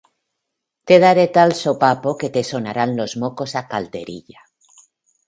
Te daré tal sopapo que te sonarán los mocos a calderilla